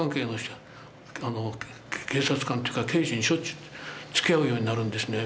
警察官とか刑事にしょっちゅうつきあうようになるんですね。